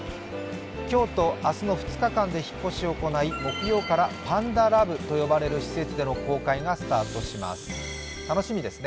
今日と明日の２日間で引っ越しを行い、木曜日からパンダラブという施設での公開がスタートします。